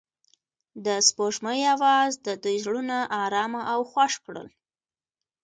د سپوږمۍ اواز د دوی زړونه ارامه او خوښ کړل.